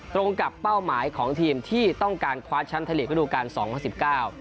ตรงกับเป้าหมายของทีมที่ต้องการคว้าชั้นทะเลียดในระดูการสองห้าสิบเก้า